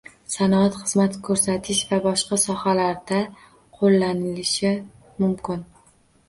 Sanoat, xizmat ko’rsatish va boshqa sohalarda qo’llanilishi mumkin